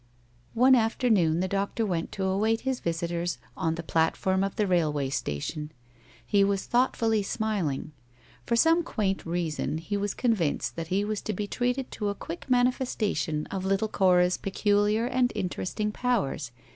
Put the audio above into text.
One afternoon the doctor went to await his visitors on the platform of the railway station. He was thoughtfully smiling. For some quaint reason he was convinced that he was to be treated to a quick manifestation of little Cora's peculiar and interesting powers.